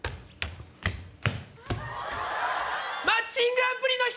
マッチングアプリの人！